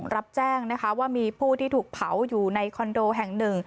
รับแจ้งนะคะว่ามีผู้ที่ถูกเผาอยู่ในคอนโดแห่งหนึ่ง